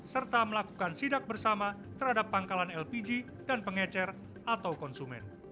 serta melakukan sidak bersama terhadap pangkalan lpg dan pengecer atau konsumen